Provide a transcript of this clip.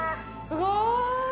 すごーい！